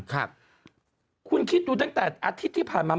คุณคิดดูตั้งแต่อาทิตย์ที่ผ่านมา